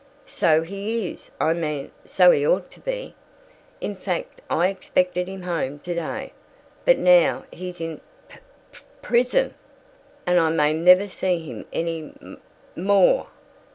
"So he is. I mean, so he ought to be. In fact I expected him home to day. But now he's in p p prison, and I may never see him any m mo more."